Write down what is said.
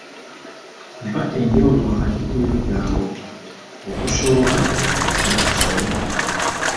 Mpa enjawulo wakati w'ebigambo: Okusooba n'okusoonooka.